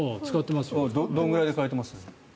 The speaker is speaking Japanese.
どれくらいで替えてます？